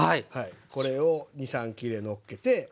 これを２３切れのっけて。